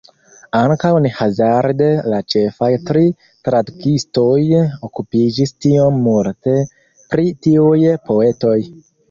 Ankaŭ ne hazarde la ĉefaj tri tradukistoj okupiĝis tiom multe pri tiuj poetoj.